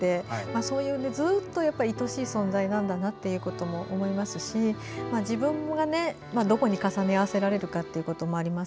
そういう愛おしい存在なんだなと思いますし自分がどこに重ね合わせられるかということもあります。